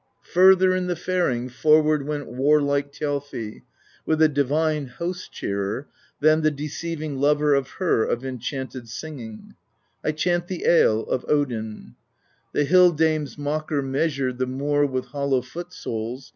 Further in the faring Forward went warlike Thjalfi With the divine Host Cheerer Than the deceiving lover Of her of enchanted singing: — (I chant the Ale of Odin) — The hill dame's Mocker measured The moor with hollow foot soles.